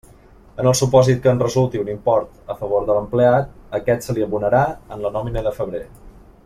En el supòsit que en resulti un import a favor de l'empleat, aquest se li abonarà en la nòmina de febrer.